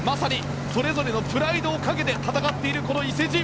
それぞれのプライドをかけて戦っている、この伊勢路。